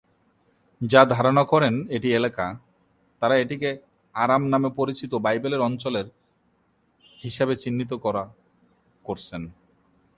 যা ধারনা করেন এটি এলাকা, তারা এটিকে আরাম নামে পরিচিত বাইবেলের অঞ্চলের হিসাবে চিহ্নিত করা করছেন।